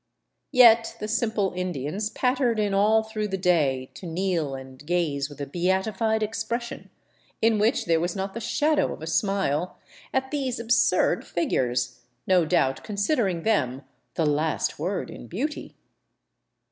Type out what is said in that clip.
Yet i the simple Indians pattered in all through the day to kneel and gaze with a beatified expression, in which there was not the shadow of a; smile, at these absurd figures, no doubt considering them the last word s in beauty.